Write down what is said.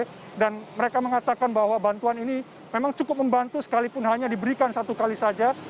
bantuan lima juta per rw dan mereka mengatakan bahwa bantuan ini memang cukup membantu sekalipun hanya diberikan satu kali saja